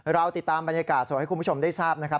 เราติดตามบรรยากาศสดให้คุณผู้ชมได้ทราบนะครับ